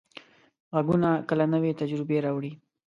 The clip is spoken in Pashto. غږونه کله نوې تجربې راوړي.